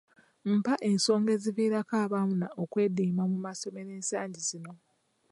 Mpa ensonga eziviirako abaana okwediima mu masomero ensangi zino.